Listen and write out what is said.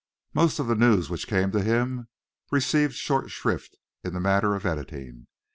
Most of the news which came to him received short shrift in the matter of editing.